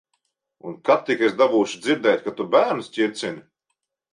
Un kad tik es dabūšu dzirdēt, ka tu bērnus ķircini.